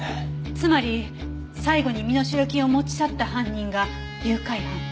つまり最後に身代金を持ち去った犯人が誘拐犯。